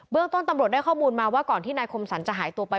เรื่องต้นตำรวจได้ข้อมูลมาว่าก่อนที่นายคมสรรจะหายตัวไป